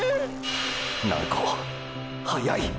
鳴子速い！！